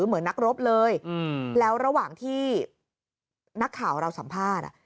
เหมือนนักรบเลยแล้วระหว่างที่นักข่าวเราสัมภาษณ์